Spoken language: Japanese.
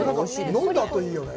飲んだあと、いいよね？